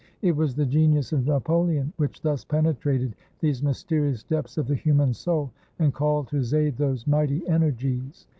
It was the genius of Napoleon which thus penetrated these mysterious depths of the human soul, and called to his aid those mighty energies.